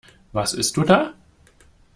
Was isst du da?